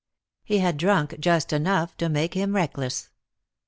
He had drunk just enough to make him reckless.